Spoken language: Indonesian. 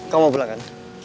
kamu mau pulang kan